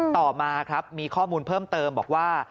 ต่อมาครับมีข้อมูลเพิ่มเติมบอกว่า